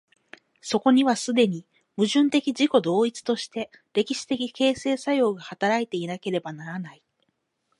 そこには既に矛盾的自己同一として歴史的形成作用が働いていなければならない。